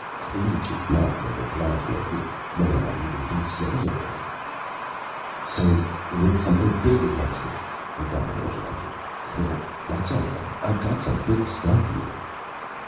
The leech is not protoplasmic. It may not even be cellular " "So we need something big against it," O'Donnell interrupted. "Well, that's all right. I've got some big stuff here."